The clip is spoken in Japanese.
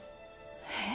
えっ？